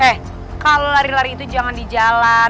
eh kalau lari lari itu jangan di jalan